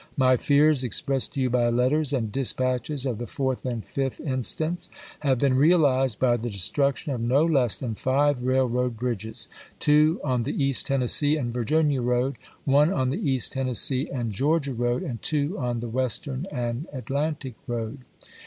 "My fears, expressed to you by letters and dis patches of the 4th and 5th instants, have been realized by the destruction of no less than five railroad bridges : two on the East Tennessee and Virginia road, one on the East Tennessee and EAST TENNESSEE 75 Georgia road, and two on the Western and Atlan tic road.